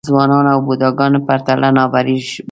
ځوانان او بوډاګان پرتله نابرابري ښيي.